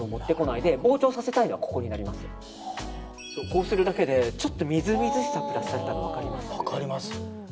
こうするだけでみずみずしさがプラスされたのが分かります。